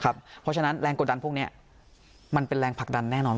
เพราะฉะนั้นแรงกดดันพวกนี้มันเป็นแรงผลักดันแน่นอน